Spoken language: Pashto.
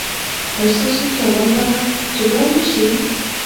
ایا ستاسو تاوان به جبران نه شي؟